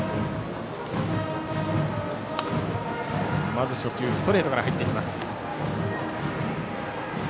まず初球、ストレートから入っていきました。